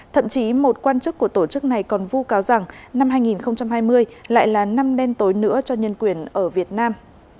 thậm chí một quan chức của tổ chức này còn vu cáo rằng năm hai nghìn hai mươi lại là năm đen tối nữa cho nhân quyền ở việt nam